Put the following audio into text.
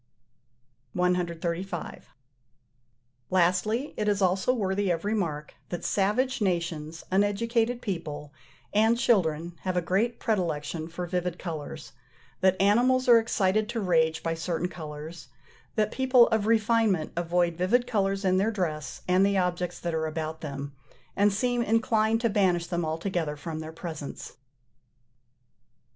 135. Lastly, it is also worthy of remark, that savage nations, uneducated people, and children have a great predilection for vivid colours; that animals are excited to rage by certain colours; that people of refinement avoid vivid colours in their dress and the objects that are about them, and seem inclined to banish them altogether from their presence. Note I.